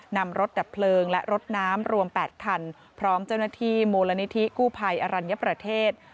นำรถดับเพลิงและรถน้ำรวม๘คันพร้อมเจ้าหน้าที่มูลนิธิกู้ภัยอรัญญประเทศ